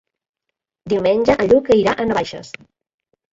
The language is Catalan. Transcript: Diumenge en Lluc irà a Navaixes.